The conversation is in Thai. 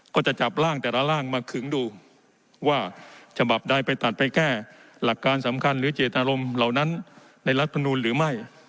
ก็จะจับร่างแต่ละร่างมาขึงดูว่าฉบับใดไปตัดไปแก้หลักการสำคัญหรือเจตนารมณ์เหล่านั้นในรัฐมนูลหรือไม่